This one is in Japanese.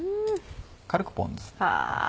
軽くポン酢。